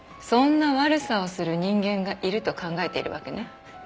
そんな悪さをする人間がいると考えているわけね。